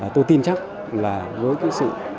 tôi tin chắc là với cái sự